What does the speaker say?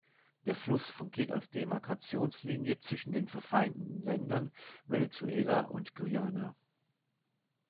Der Fluss fungiert als Demarkationslinie zwischen den verfeindeten Ländern Venezuela und Guyana.